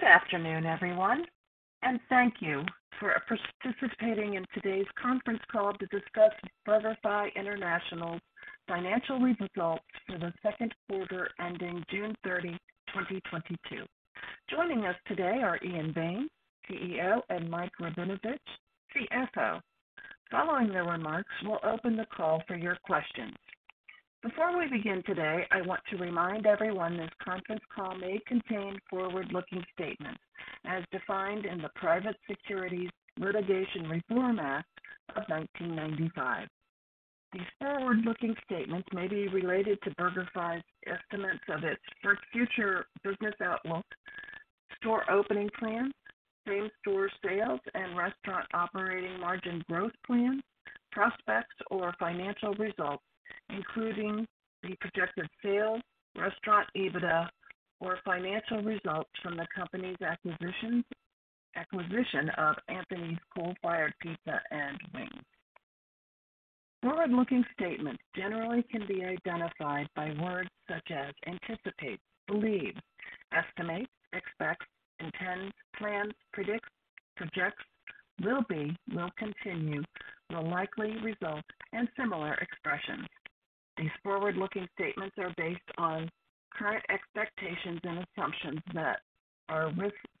Good afternoon, everyone, and thank you for participating in today's conference call to discuss BurgerFi International's financial results for the second quarter ending June 30, 2022. Joining us today are Ian Baines, CEO, and Mike Rabinovitch, CFO. Following their remarks, we'll open the call for your questions. Before we begin today, I want to remind everyone this conference call may contain forward-looking statements as defined in the Private Securities Litigation Reform Act of 1995. These forward-looking statements may be related to BurgerFi's estimates of its future business outlook, store opening plans, same-store sales, and restaurant operating margin growth plans, prospects, or financial results, including the projected sales, restaurant EBITDA, or financial results from the company's acquisition of Anthony's Coal Fired Pizza & Wings. Forward-looking statements generally can be identified by words such as anticipate, believe, estimate, expect, intend, plan, predict, project, will be, will continue, will likely result, and similar expressions. These forward-looking statements are based on current expectations and assumptions that are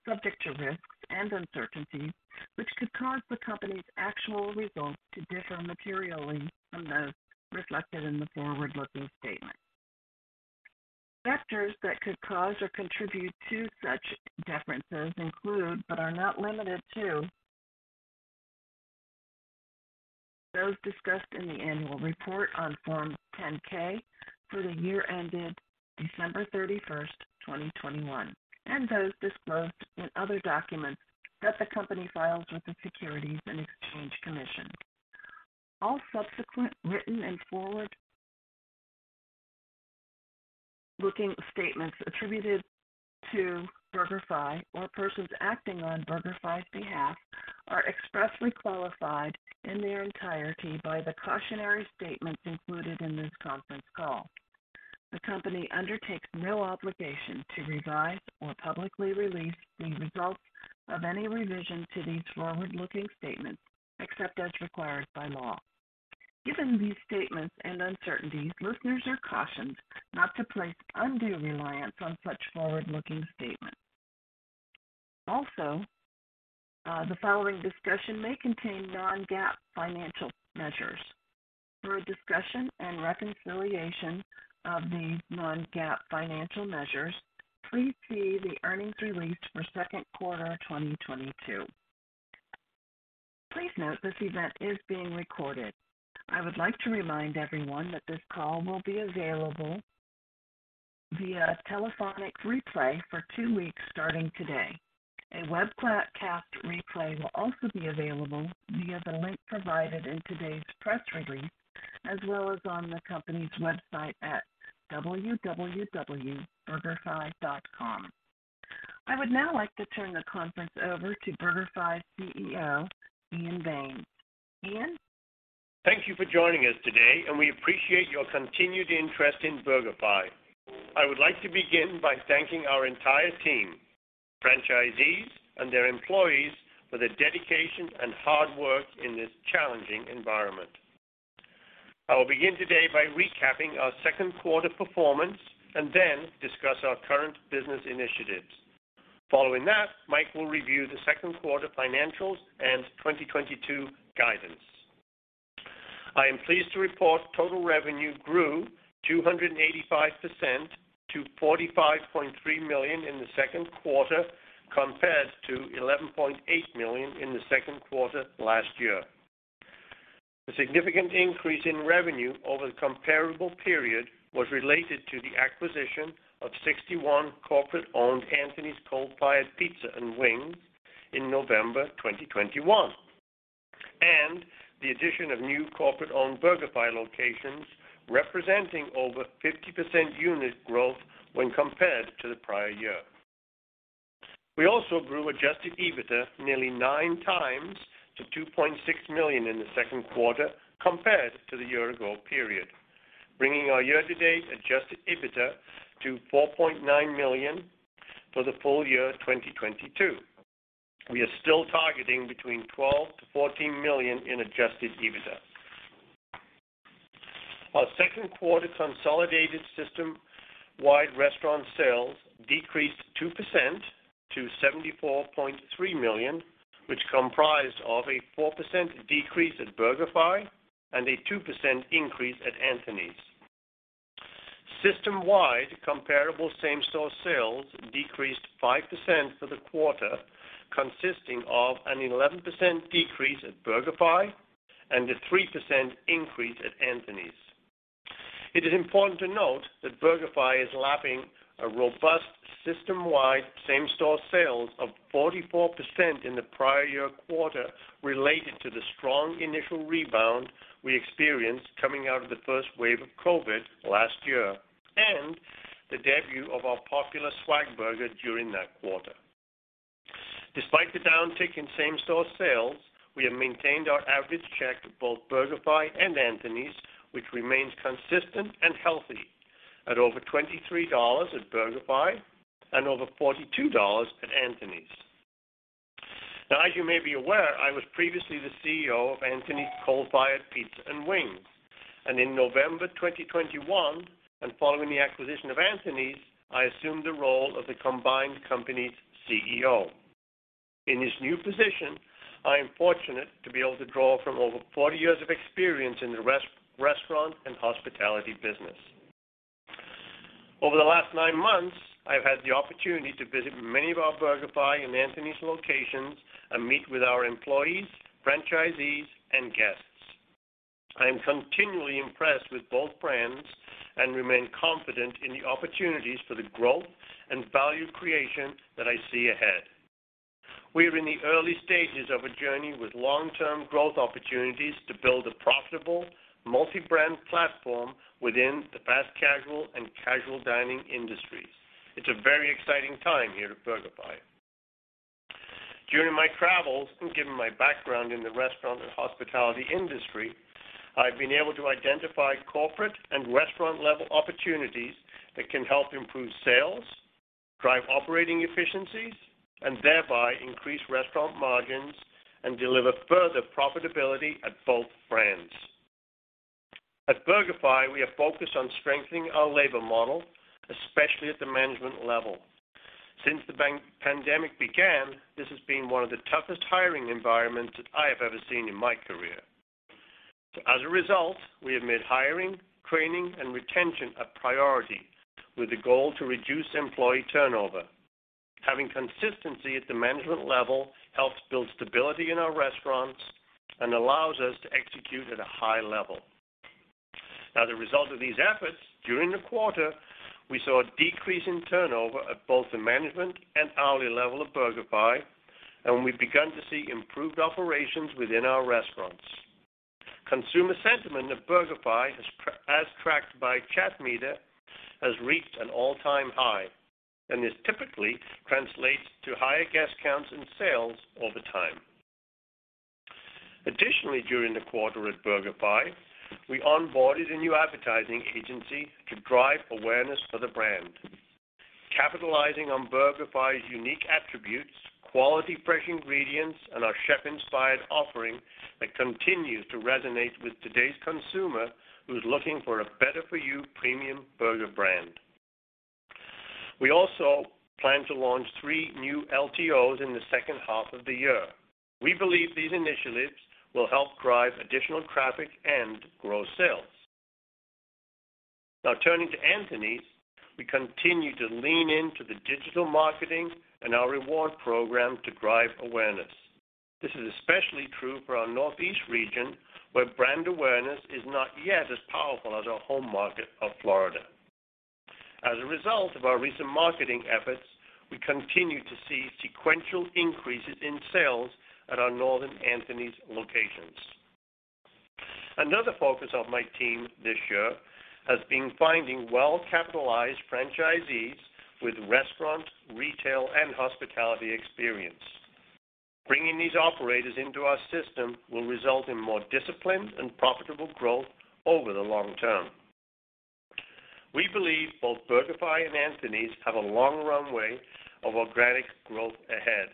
subject to risks and uncertainties, which could cause the company's actual results to differ materially from those reflected in the forward-looking statements. Factors that could cause or contribute to such differences include, but are not limited to, those discussed in the annual report on Form 10-K for the year ended December 31, 2021, and those disclosed in other documents that the company files with the Securities and Exchange Commission. All subsequent written and forward-looking statements attributed to BurgerFi or persons acting on BurgerFi's behalf are expressly qualified in their entirety by the cautionary statements included in this conference call. The company undertakes no obligation to revise or publicly release the results of any revision to these forward-looking statements, except as required by law. Given these statements and uncertainties, listeners are cautioned not to place undue reliance on such forward-looking statements. Also, the following discussion may contain non-GAAP financial measures. For a discussion and reconciliation of the non-GAAP financial measures, please see the earnings release for second quarter 2022. Please note, this event is being recorded. I would like to remind everyone that this call will be available via telephonic replay for two weeks starting today. A webcast replay will also be available via the link provided in today's press release, as well as on the company's website at www.burgerfi.com. I would now like to turn the conference over to BurgerFi CEO, Ian Baines. Ian? Thank you for joining us today, and we appreciate your continued interest in BurgerFi. I would like to begin by thanking our entire team, franchisees, and their employees for their dedication and hard work in this challenging environment. I will begin today by recapping our second quarter performance and then discuss our current business initiatives. Following that, Mike will review the second quarter financials and 2022 guidance. I am pleased to report total revenue grew 285% to $45.3 million in the second quarter, compared to $11.8 million in the second quarter last year. The significant increase in revenue over the comparable period was related to the acquisition of 61 corporate owned Anthony's Coal Fired Pizza & Wings in November 2021, and the addition of new corporate owned BurgerFi locations representing over 50% unit growth when compared to the prior year. We also grew adjusted EBITDA nearly nine times to $2.6 million in the second quarter compared to the year ago period, bringing our year-to-date adjusted EBITDA to $4.9 million for the full-year 2022. We are still targeting between $12 million-$14 million in adjusted EBITDA. Our second quarter consolidated system-wide restaurant sales decreased 2% to $74.3 million, which comprised of a 4% decrease at BurgerFi and a 2% increase at Anthony's. System-wide comparable same-store sales decreased 5% for the quarter, consisting of an 11% decrease at BurgerFi and a 3% increase at Anthony's. It is important to note that BurgerFi is lapping a robust system-wide same-store sales of 44% in the prior year quarter related to the strong initial rebound we experienced coming out of the first wave of COVID last year and the debut of our popular SWAG Burger during that quarter. Despite the downtick in same-store sales, we have maintained our average check at both BurgerFi and Anthony's, which remains consistent and healthy at over $23 at BurgerFi and over $42 at Anthony's. Now, as you may be aware, I was previously the CEO of Anthony's Coal Fired Pizza & Wings, and in November 2021, following the acquisition of Anthony's, I assumed the role of the combined company's CEO. In this new position, I am fortunate to be able to draw from over 40 years of experience in the restaurant and hospitality business. Over the last nine months, I've had the opportunity to visit many of our BurgerFi and Anthony's locations and meet with our employees, franchisees, and guests. I am continually impressed with both brands and remain confident in the opportunities for the growth and value creation that I see ahead. We are in the early stages of a journey with long-term growth opportunities to build a profitable multi-brand platform within the fast casual and casual dining industries. It's a very exciting time here at BurgerFi. During my travels, and given my background in the restaurant and hospitality industry, I've been able to identify corporate and restaurant-level opportunities that can help improve sales, drive operating efficiencies, and thereby increase restaurant margins and deliver further profitability at both brands. At BurgerFi, we are focused on strengthening our labor model, especially at the management level. Since the pandemic began, this has been one of the toughest hiring environments that I have ever seen in my career. As a result, we have made hiring, training, and retention a priority with the goal to reduce employee turnover. Having consistency at the management level helps build stability in our restaurants and allows us to execute at a high level. Now, the result of these efforts, during the quarter, we saw a decrease in turnover at both the management and hourly level of BurgerFi, and we've begun to see improved operations within our restaurants. Consumer sentiment at BurgerFi, as tracked by Chatmeter, has reached an all-time high, and this typically translates to higher guest counts and sales over time. Additionally, during the quarter at BurgerFi, we onboarded a new advertising agency to drive awareness for the brand, capitalizing on BurgerFi's unique attributes, quality fresh ingredients, and our chef-inspired offering that continues to resonate with today's consumer who's looking for a better-for-you premium burger brand. We also plan to launch three new LTOs in the second half of the year. We believe these initiatives will help drive additional traffic and grow sales. Now turning to Anthony's, we continue to lean into the digital marketing and our reward program to drive awareness. This is especially true for our Northeast region, where brand awareness is not yet as powerful as our home market of Florida. As a result of our recent marketing efforts, we continue to see sequential increases in sales at our northern Anthony's locations. Another focus of my team this year has been finding well-capitalized franchisees with restaurant, retail, and hospitality experience. Bringing these operators into our system will result in more disciplined and profitable growth over the long term. We believe both BurgerFi and Anthony's have a long runway of organic growth ahead.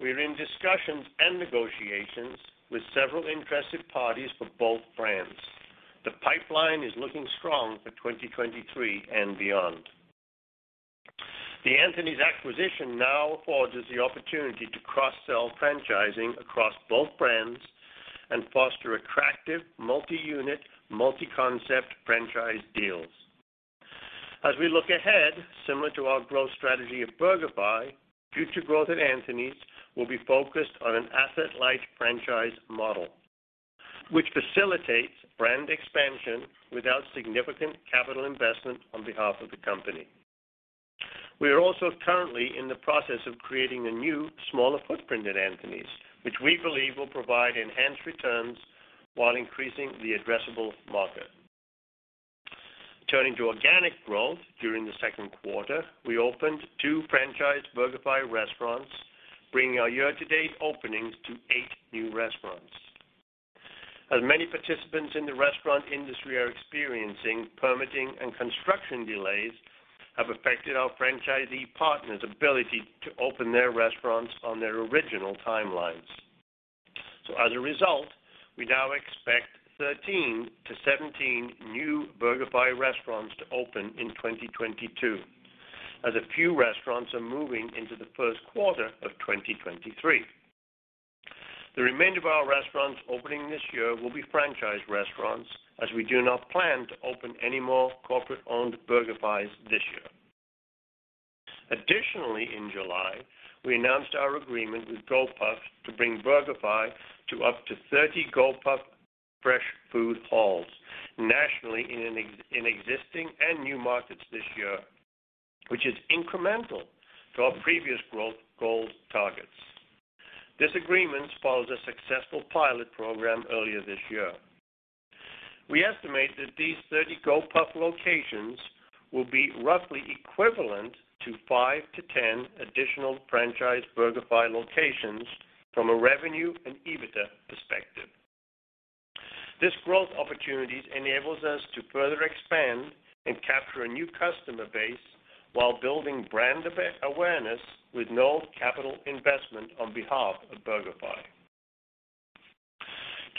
We're in discussions and negotiations with several interested parties for both brands. The pipeline is looking strong for 2023 and beyond. The Anthony's acquisition now affords us the opportunity to cross-sell franchising across both brands and foster attractive multi-unit, multi-concept franchise deals. As we look ahead, similar to our growth strategy at BurgerFi, future growth at Anthony's will be focused on an asset-light franchise model, which facilitates brand expansion without significant capital investment on behalf of the company. We are also currently in the process of creating a new, smaller footprint at Anthony's, which we believe will provide enhanced returns while increasing the addressable market. Turning to organic growth, during the second quarter, we opened two franchise BurgerFi restaurants, bringing our year-to-date openings to eight new restaurants. As many participants in the restaurant industry are experiencing, permitting and construction delays have affected our franchisee partners' ability to open their restaurants on their original timelines. As a result, we now expect 13-17 new BurgerFi restaurants to open in 2022, as a few restaurants are moving into the first quarter of 2023. The remainder of our restaurants opening this year will be franchise restaurants, as we do not plan to open any more corporate-owned BurgerFis this year. Additionally, in July, we announced our agreement with Gopuff to bring BurgerFi to up to 30 Gopuff fresh food halls nationally in existing and new markets this year, which is incremental to our previous growth goals targets. This agreement follows a successful pilot program earlier this year. We estimate that these 30 Gopuff locations will be roughly equivalent to five to 10 additional franchise BurgerFi locations from a revenue and EBITDA perspective. This growth opportunities enables us to further expand and capture a new customer base while building brand awareness with no capital investment on behalf of BurgerFi.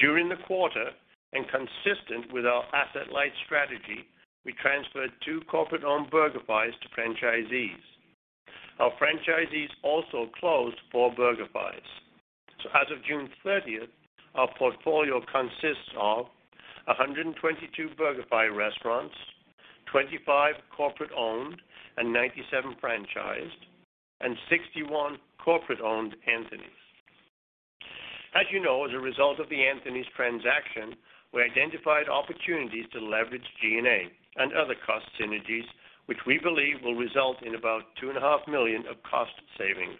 During the quarter and consistent with our asset-light strategy, we transferred two corporate-owned BurgerFi's to franchisees. Our franchisees also closed four BurgerFi's. As of June 30th, our portfolio consists of 122 BurgerFi restaurants, 25 corporate-owned, and 97 franchised, and 61 corporate-owned Anthony's. As you know, as a result of the Anthony's transaction, we identified opportunities to leverage G&A and other cost synergies, which we believe will result in about $2.5 million of cost savings.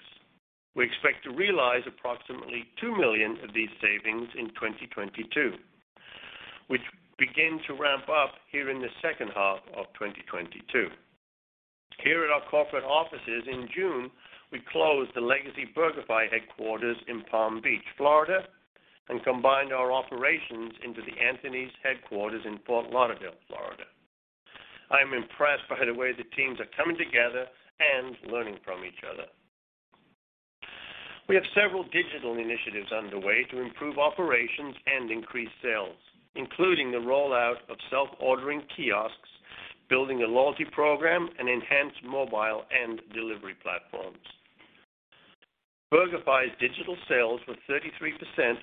We expect to realize approximately $2 million of these savings in 2022, which begin to ramp up here in the second half of 2022. Here at our corporate offices in June, we closed the legacy BurgerFi headquarters in Palm Beach, Florida, and combined our operations into the Anthony's headquarters in Fort Lauderdale, Florida. I am impressed by the way the teams are coming together and learning from each other. We have several digital initiatives underway to improve operations and increase sales, including the rollout of self-ordering kiosks, building a loyalty program, and enhanced mobile and delivery platforms. BurgerFi's digital sales were 33%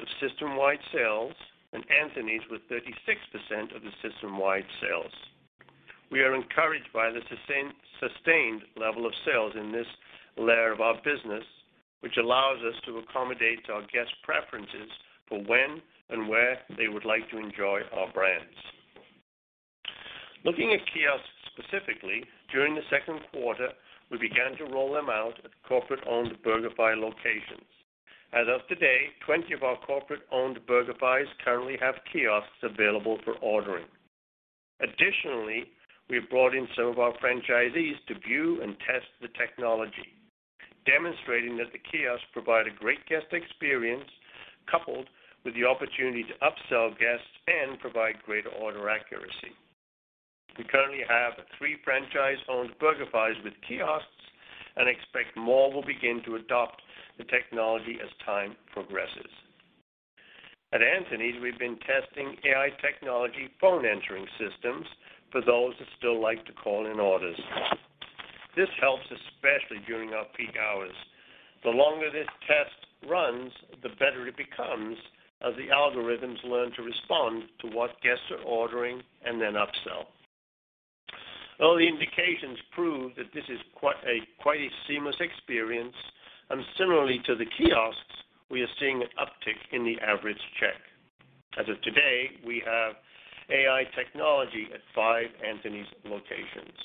of system-wide sales and Anthony's with 36% of the system-wide sales. We are encouraged by the sustained level of sales in this layer of our business, which allows us to accommodate our guest preferences for when and where they would like to enjoy our brands. Looking at kiosks specifically, during the second quarter, we began to roll them out at corporate-owned BurgerFi locations. As of today, 20 of our corporate-owned BurgerFi's currently have kiosks available for ordering. Additionally, we brought in some of our franchisees to view and test the technology, demonstrating that the kiosks provide a great guest experience coupled with the opportunity to upsell guests and provide greater order accuracy. We currently have three franchise-owned BurgerFi's with kiosks and expect more will begin to adopt the technology as time progresses. At Anthony's, we've been testing AI technology phone entering systems for those who still like to call in orders. This helps especially during our peak hours. The longer this test runs, the better it becomes as the algorithms learn to respond to what guests are ordering and then upsell. Early indications prove that this is quite a seamless experience, and similarly to the kiosks, we are seeing an uptick in the average check. As of today, we have AI technology at five Anthony's locations.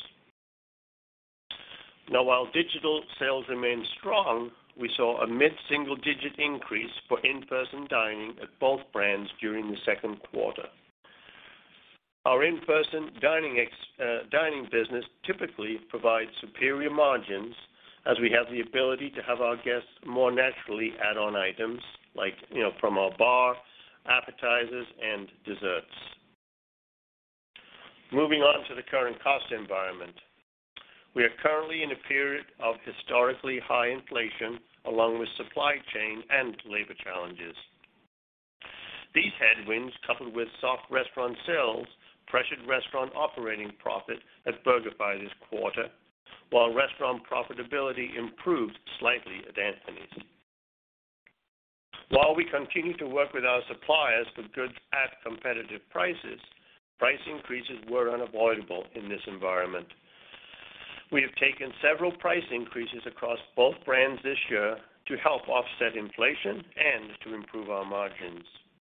Now, while digital sales remain strong, we saw a mid-single digit increase for in-person dining at both brands during the second quarter. Our in-person dining business typically provides superior margins as we have the ability to have our guests more naturally add on items like, you know, from our bar, appetizers, and desserts. Moving on to the current cost environment. We are currently in a period of historically high inflation, along with supply chain and labor challenges. These headwinds, coupled with soft restaurant sales, pressured restaurant operating profit at BurgerFi this quarter, while restaurant profitability improved slightly at Anthony's. While we continue to work with our suppliers for goods at competitive prices, price increases were unavoidable in this environment. We have taken several price increases across both brands this year to help offset inflation and to improve our margins.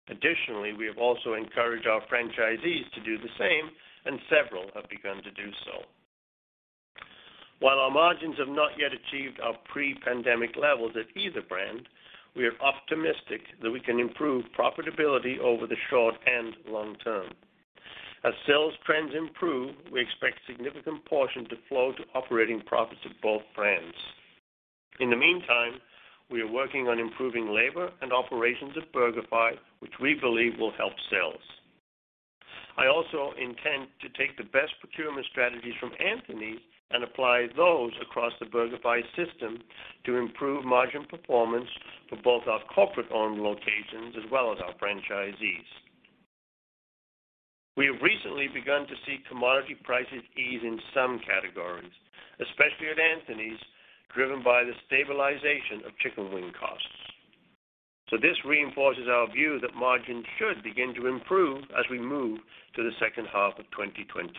Additionally, we have also encouraged our franchisees to do the same, and several have begun to do so. While our margins have not yet achieved our pre-pandemic levels at either brand, we are optimistic that we can improve profitability over the short and long term. As sales trends improve, we expect a significant portion to flow to operating profits of both brands. In the meantime, we are working on improving labor and operations at BurgerFi, which we believe will help sales. I also intend to take the best procurement strategies from Anthony's and apply those across the BurgerFi system to improve margin performance for both our corporate-owned locations as well as our franchisees. We have recently begun to see commodity prices ease in some categories, especially at Anthony's, driven by the stabilization of chicken wing costs. This reinforces our view that margins should begin to improve as we move to the second half of 2022.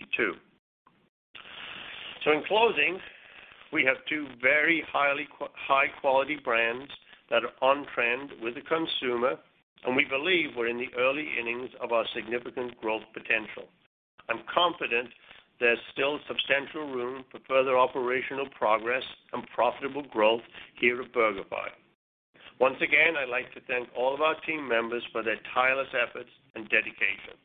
In closing, we have two very high-quality brands that are on trend with the consumer, and we believe we're in the early innings of our significant growth potential. Confident there's still substantial room for further operational progress and profitable growth here at BurgerFi. Once again, I'd like to thank all of our team members for their tireless efforts and dedication.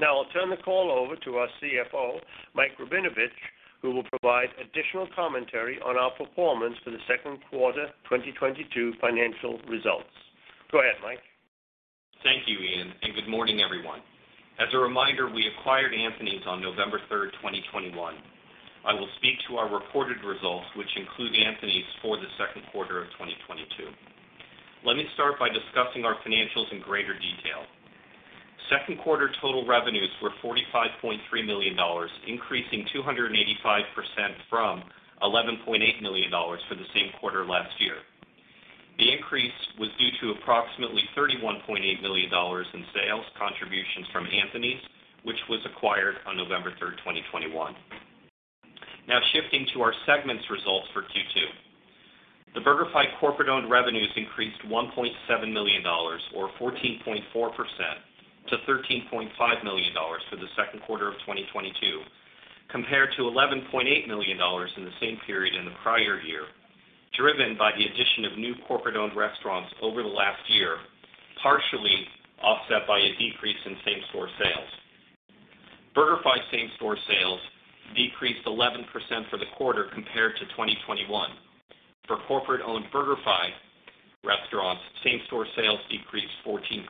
Now, I'll turn the call over to our CFO, Mike Rabinovitch, who will provide additional commentary on our performance for the second quarter 2022 financial results. Go ahead, Mike. Thank you, Ian, and good morning, everyone. As a reminder, we acquired Anthony's on November 3rd, 2021. I will speak to our reported results, which include Anthony's for the second quarter of 2022. Let me start by discussing our financials in greater detail. Second quarter total revenues were $45.3 million, increasing 285% from $11.8 million for the same quarter last year. The increase was due to approximately $31.8 million in sales contributions from Anthony's, which was acquired on November 3rd, 2021. Now shifting to our segments results for Q2. The BurgerFi corporate-owned revenues increased $1.7 million or 14.4% to $13.5 million for the second quarter of 2022, compared to $11.8 million in the same period in the prior year, driven by the addition of new corporate-owned restaurants over the last year, partially offset by a decrease in same-store sales. BurgerFi same-store sales decreased 11% for the quarter compared to 2021. For corporate-owned BurgerFi restaurants, same-store sales decreased 14%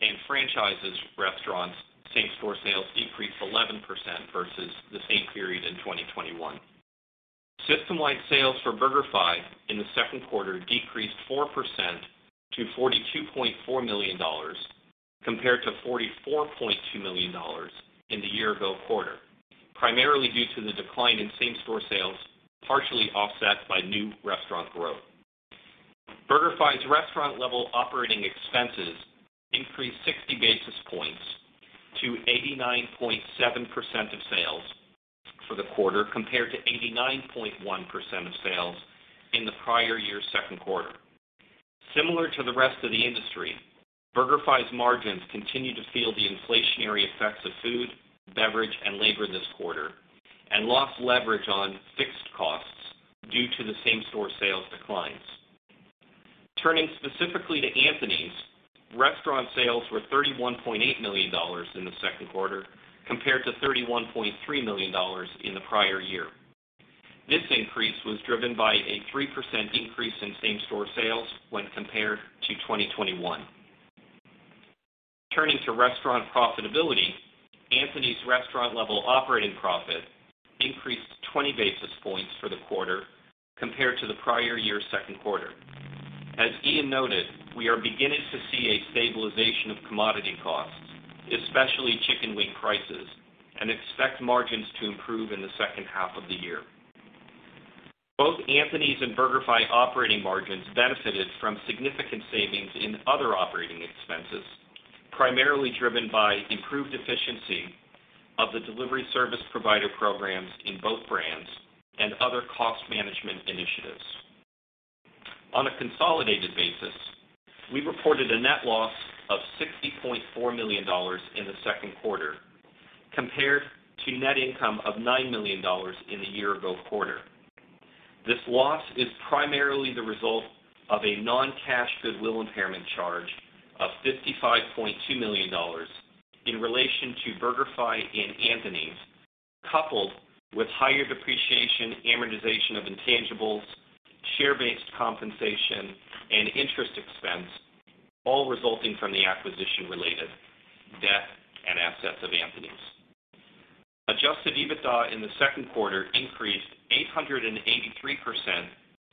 and franchised restaurants same-store sales decreased 11% versus the same period in 2021. System-wide sales for BurgerFi in the second quarter decreased 4% to $42.4 million compared to $44.2 million in the year ago quarter, primarily due to the decline in same-store sales, partially offset by new restaurant growth. BurgerFi's restaurant-level operating expenses increased 60 basis points to 89.7% of sales for the quarter, compared to 89.1% of sales in the prior year's second quarter. Similar to the rest of the industry, BurgerFi's margins continued to feel the inflationary effects of food, beverage, and labor this quarter and lost leverage on fixed costs due to the same-store sales declines. Turning specifically to Anthony's, restaurant sales were $31.8 million in the second quarter compared to $31.3 million in the prior year. This increase was driven by a 3% increase in same-store sales when compared to 2021. Turning to restaurant profitability, Anthony's restaurant-level operating profit increased 20 basis points for the quarter compared to the prior year's second quarter. As Ian noted, we are beginning to see a stabilization of commodity costs, especially chicken wing prices, and expect margins to improve in the second half of the year. Both Anthony's and BurgerFi operating margins benefited from significant savings in other operating expenses, primarily driven by improved efficiency of the delivery service provider programs in both brands and other cost management initiatives. On a consolidated basis, we reported a net loss of $60.4 million in the second quarter compared to net income of $9 million in the year-ago quarter. This loss is primarily the result of a non-cash goodwill impairment charge of $55.2 million in relation to BurgerFi and Anthony's, coupled with higher depreciation, amortization of intangibles, share-based compensation, and interest expense, all resulting from the acquisition related debt and assets of Anthony's. Adjusted EBITDA in the second quarter increased 883%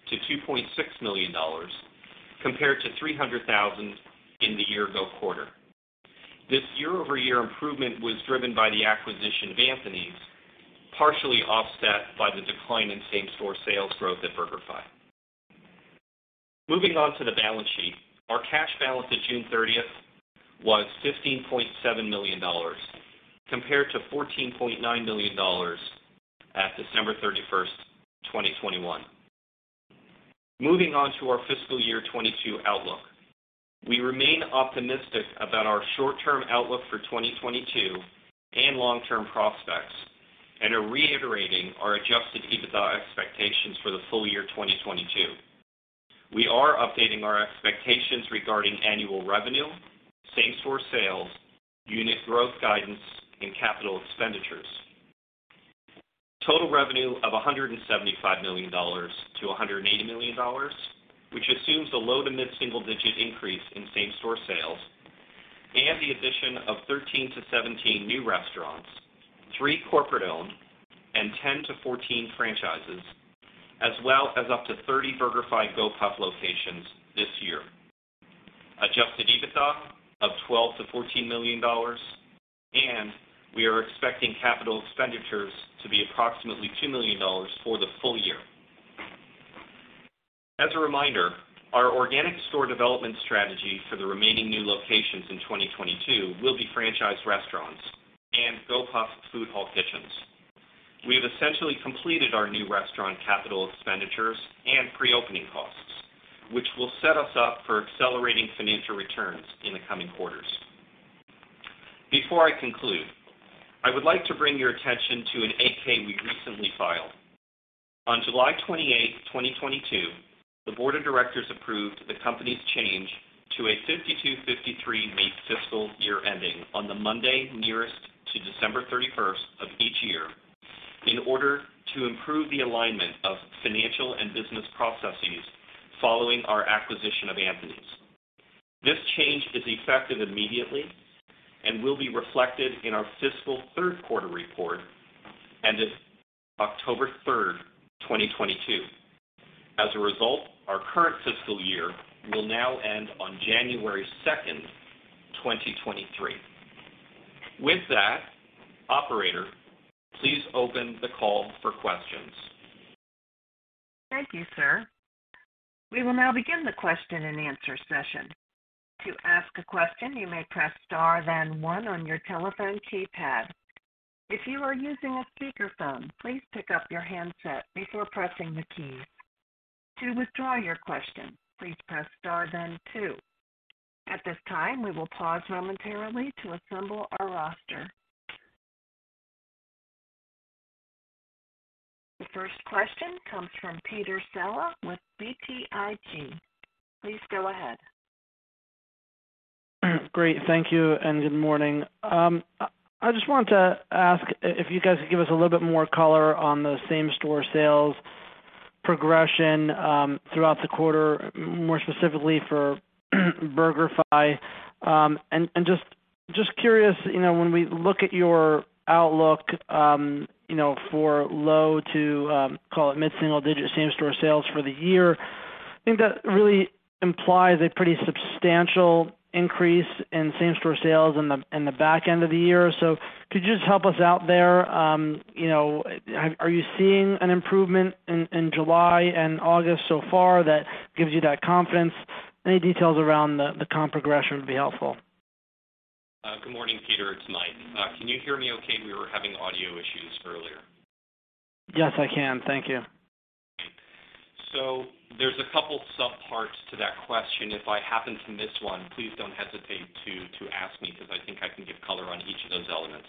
to $2.6 million, compared to $300,000 in the year-ago quarter. This year-over-year improvement was driven by the acquisition of Anthony's, partially offset by the decline in same-store sales growth at BurgerFi. Moving on to the balance sheet. Our cash balance at June 30th was $15.7 million, compared to $14.9 million at December 31st, 2021. Moving on to our fiscal year 2022 outlook. We remain optimistic about our short-term outlook for 2022 and long-term prospects and are reiterating our adjusted EBITDA expectations for the full-year 2022. We are updating our expectations regarding annual revenue, same-store sales, unit growth guidance, and capital expenditures. Total revenue of $175 million-$180 million, which assumes a low to mid single-digit increase in same-store sales and the addition of 13-17 new restaurants, three corporate-owned, and 10-14 franchises, as well as up to 30 BurgerFi Gopuff locations this year. Adjusted EBITDA of $12 million-$14 million, and we are expecting capital expenditures to be approximately $2 million for the full-year. As a reminder, our organic store development strategy for the remaining new locations in 2022 will be franchise restaurants and Gopuff food hall kitchens. We have essentially completed our new restaurant capital expenditures and pre-opening costs, which will set us up for accelerating financial returns in the coming quarters. Before I conclude, I would like to bring your attention to an 8-K we recently filed. On July 28, 2022, the Board of Directors approved the company's change to a 52-53 week fiscal year ending on the Monday nearest to December 31 of each year in order to improve the alignment of financial and business processes following our acquisition of Anthony's. This change is effective immediately and will be reflected in our fiscal third quarter report ending this October 3, 2022. As a result, our current fiscal year will now end on January 2, 2023. With that, operator, please open the call for questions. Thank you, sir. We will now begin the question and answer session. To ask a question, you may press star then one on your telephone keypad. If you are using a speakerphone, please pick up your handset before pressing the key. To withdraw your question, please press star then two. At this time, we will pause momentarily to assemble our roster. The first question comes from Peter Saleh with BTIG. Please go ahead. Great. Thank you, and good morning. I just want to ask if you guys could give us a little bit more color on the same-store sales progression throughout the quarter, more specifically for BurgerFi. Just curious, you know, when we look at your outlook, you know, for low to, call it mid-single digit same-store sales for the year, I think that really implies a pretty substantial increase in same-store sales in the back end of the year. Could you just help us out there? You know, are you seeing an improvement in July and August so far that gives you that confidence? Any details around the comp progression would be helpful. Good morning, Peter, it's Mike. Can you hear me okay? We were having audio issues earlier. Yes, I can. Thank you. There's a couple subparts to that question. If I happen to miss one, please don't hesitate to ask me, because I think I can give color on each of those elements.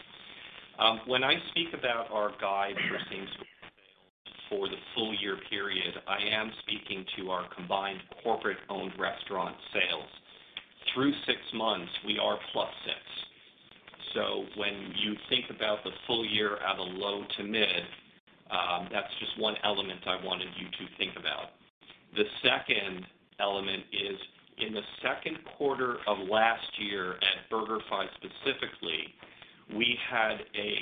When I speak about our guide for same-store sales for the full-year period, I am speaking to our combined corporate-owned restaurant sales. Through six months, we are +6%. When you think about the full-year at a low to mid, that's just one element I wanted you to think about. The second element is in the second quarter of last year at BurgerFi specifically, we had a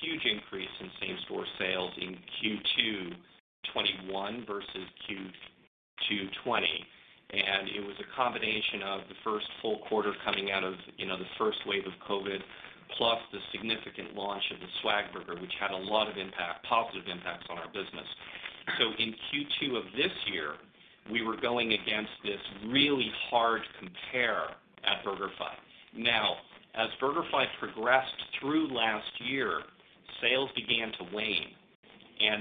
huge increase in same-store sales in Q2 2021 versus Q2 2020. It was a combination of the first full quarter coming out of, you know, the first wave of COVID, plus the significant launch of the SWAG Burger, which had a lot of impact, positive impacts on our business. In Q2 of this year, we were going against this really hard compare at BurgerFi. Now, as BurgerFi progressed through last year, sales began to wane.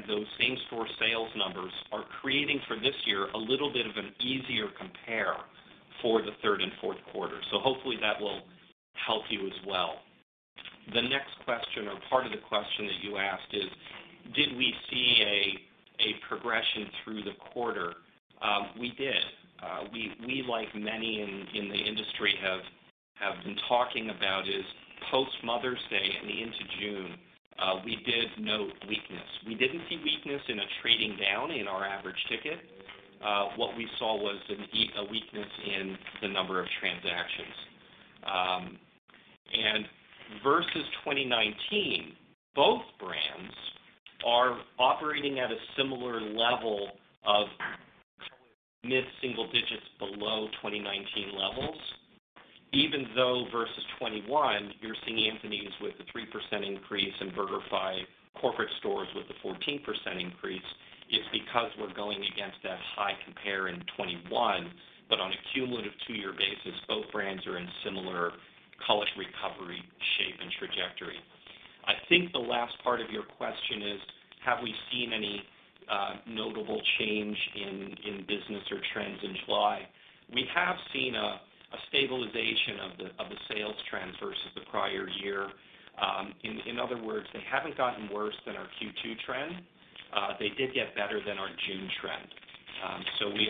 Those same-store sales numbers are creating for this year a little bit of an easier compare for the third and fourth quarter. Hopefully that will help you as well. The next question or part of the question that you asked is, did we see a progression through the quarter? We did. We, like many in the industry, have been talking about is post Mother's Day and the end of June, we did note weakness. We didn't see weakness in traffic and trading down in our average ticket. What we saw was a weakness in the number of transactions. Versus 2019, both brands are operating at a similar level of mid-single digits below 2019 levels. Even though versus 2021, you're seeing Anthony's with the 3% increase in BurgerFi corporate stores with the 14% increase, it's because we're going against that high comp in 2021. On a cumulative two-year basis, both brands are in similar overall recovery shape and trajectory. I think the last part of your question is, have we seen any notable change in business or trends in July? We have seen a stabilization of the sales trend versus the prior year. In other words, they haven't gotten worse than our Q2 trend. They did get better than our June trend. We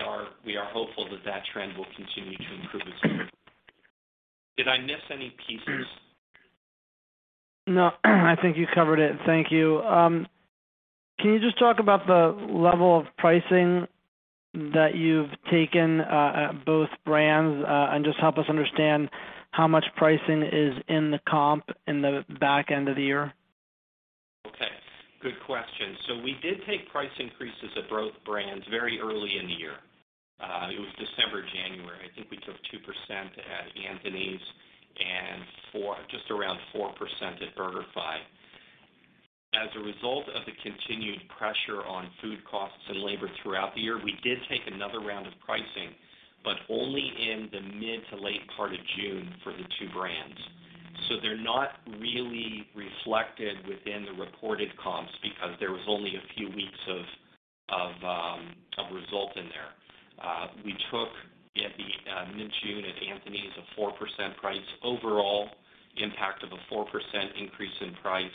are hopeful that trend will continue to improve as well. Did I miss any pieces? No, I think you covered it. Thank you. Can you just talk about the level of pricing that you've taken, at both brands, and just help us understand how much pricing is in the comp in the back end of the year? Okay, good question. We did take price increases at both brands very early in the year. It was December, January. I think we took 2% at Anthony's and just around 4% at BurgerFi. As a result of the continued pressure on food costs and labor throughout the year, we did take another round of pricing, but only in the mid to late part of June for the two brands. They're not really reflected within the reported comps because there was only a few weeks of result in there. We took mid-June at Anthony's, a 4% price overall impact of a 4% increase in price,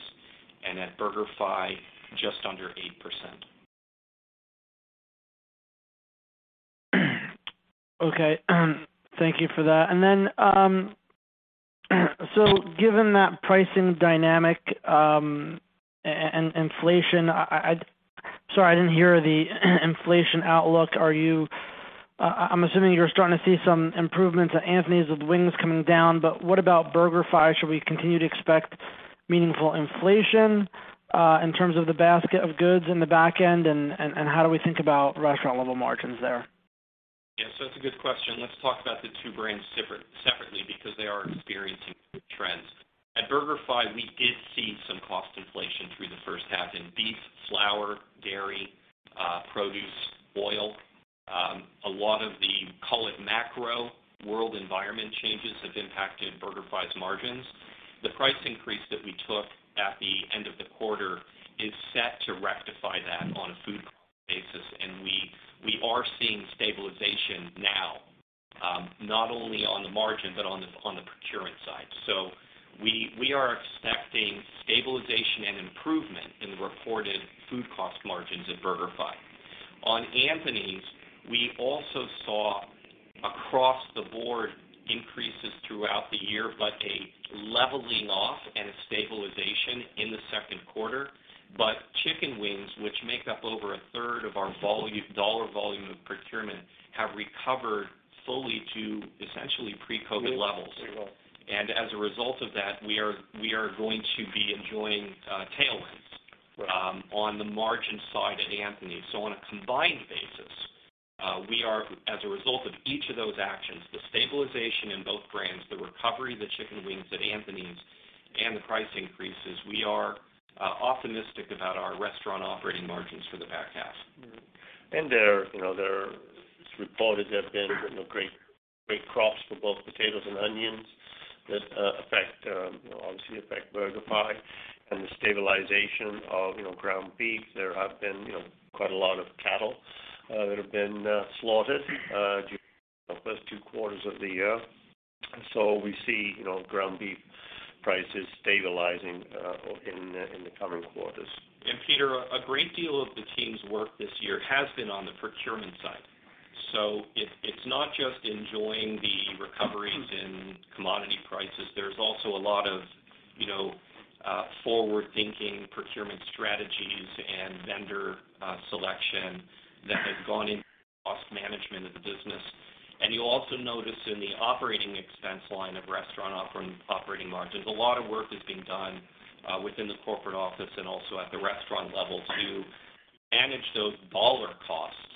and at BurgerFi, just under 8%. Okay. Thank you for that. Given that pricing dynamic and inflation, sorry, I didn't hear the inflation outlook. I'm assuming you're starting to see some improvements at Anthony's with wings coming down, but what about BurgerFi? Should we continue to expect meaningful inflation in terms of the basket of goods in the back end, and how do we think about restaurant-level margins there? Yeah. That's a good question. Let's talk about the two brands separately because they are experiencing trends. At BurgerFi, we did see some cost inflation through the first half in beef, flour, dairy, produce, oil. A lot of the, call it macro world environment changes have impacted BurgerFi's margins. The price increase that we took at the end of the quarter is set to rectify that on a food basis, and we are seeing stabilization now, not only on the margin, but on the procurement side. We are expecting stabilization and improvement in the reported food cost margins at BurgerFi. On Anthony's, we also saw across the board increases throughout the year, but a leveling off and a stabilization in the second quarter. Chicken wings, which make up over 1/3 of our volume, dollar volume of procurement, have recovered fully to essentially pre-COVID levels. Very well. As a result of that, we are going to be enjoying tailwinds. Right. On the margin side at Anthony's. On a combined basis, we are, as a result of each of those actions, the stabilization in both brands, the recovery of the chicken wings at Anthony's, and the price increases, optimistic about our restaurant operating margins for the back half. There have been reported great crops for both potatoes and onions that affect, you know, obviously affect BurgerFi. The stabilization of, you know, ground beef. There have been, you know, quite a lot of cattle that have been slaughtered during the first two quarters of the year. We see, you know, ground beef prices stabilizing in the coming quarters. Peter, a great deal of the team's work this year has been on the procurement side. It's not just enjoying the recoveries in commodity prices. There's also a lot of, you know, forward-thinking procurement strategies and vendor selection that has gone into cost management of the business. You also notice in the operating expense line of restaurant operating margins, a lot of work is being done within the corporate office and also at the restaurant level to manage those dollar costs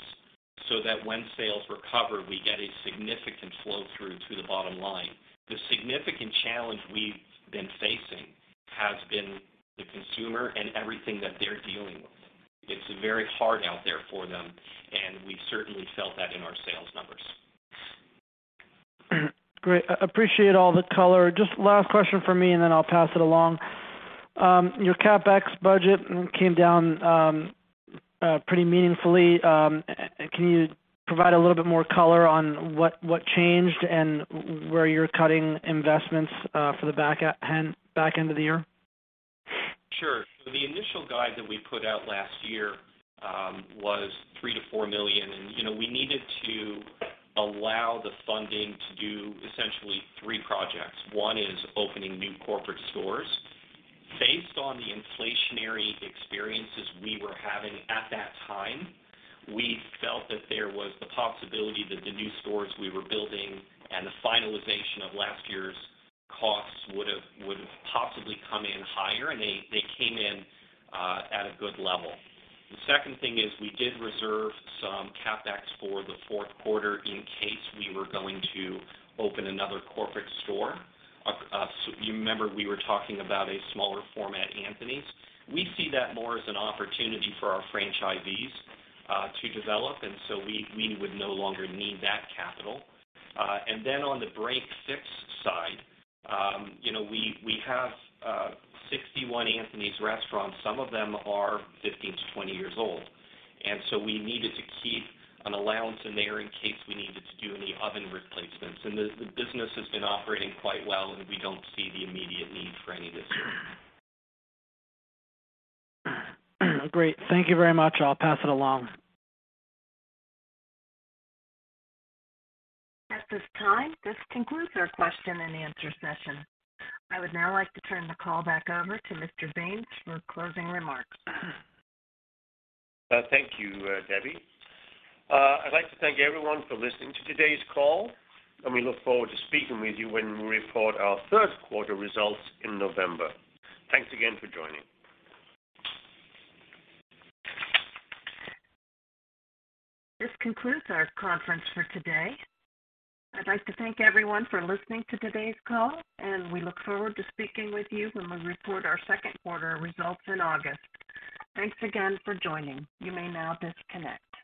so that when sales recover, we get a significant flow through to the bottom line. The significant challenge we've been facing has been the consumer and everything that they're dealing with. It's very hard out there for them, and we've certainly felt that in our sales numbers. Great. Appreciate all the color. Just last question from me, and then I'll pass it along. Your CapEx budget came down pretty meaningfully. Can you provide a little bit more color on what changed and where you're cutting investments for the back half of the year? Sure. The initial guide that we put out last year was $3 million-$4 million. You know, we needed to allow the funding to do essentially three projects. One is opening new corporate stores. Based on the inflationary experiences we were having at that time, we felt that there was the possibility that the new stores we were building and the finalization of last year's costs would have possibly come in higher, and they came in at a good level. The second thing is we did reserve some CapEx for the fourth quarter in case we were going to open another corporate store. You remember, we were talking about a smaller format Anthony's. We see that more as an opportunity for our franchisees to develop, and so we would no longer need that capital. On the break-fix side, you know, we have 61 Anthony's restaurants. Some of them are 15-20 years old. We needed to keep an allowance in there in case we needed to do any oven replacements. The business has been operating quite well, and we don't see the immediate need for any of this year. Great. Thank you very much. I'll pass it along. At this time, this concludes our question and answer session. I would now like to turn the call back over to Mr. Baines for closing remarks. Thank you, Debbie. I'd like to thank everyone for listening to today's call, and we look forward to speaking with you when we report our third quarter results in November. Thanks again for joining. This concludes our conference for today. I'd like to thank everyone for listening to today's call, and we look forward to speaking with you when we report our second quarter results in August. Thanks again for joining. You may now disconnect.